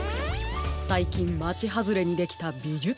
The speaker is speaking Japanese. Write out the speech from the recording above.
さいきんまちはずれにできたびじゅつかんですね。